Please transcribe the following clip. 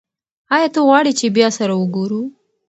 ایا ته غواړې چې بیا سره وګورو؟